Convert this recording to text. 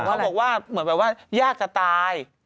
เขาบอกว่ามันแบบว่ายากจะตาย